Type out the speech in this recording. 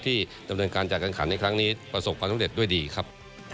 ที่ดำเนินการจัดการขันในครั้งนี้ประสบความสำเร็จด้วยดีครับ